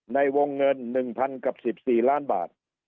ในวงเงิน๑๐๑๔ล้านบาท